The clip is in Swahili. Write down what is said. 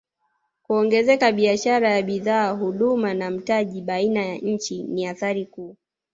Kuongezeka biashara ya bidhaa huduma na mtaji baina ya nchi ni athari kuu